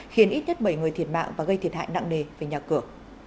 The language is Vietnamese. khiến ít nhất bảy người thiệt mạng và gây thiệt hại nặng nề về nhà cửa